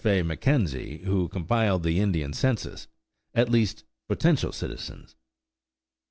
A. McKenzie, who compiled the Indian census, as at least "potential citizens."